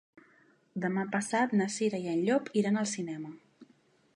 Demà passat na Cira i en Llop iran al cinema.